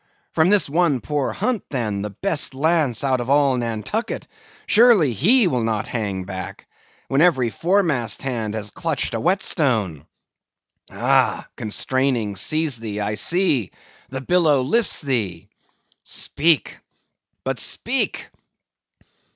From this one poor hunt, then, the best lance out of all Nantucket, surely he will not hang back, when every foremast hand has clutched a whetstone? Ah! constrainings seize thee; I see! the billow lifts thee! Speak, but speak!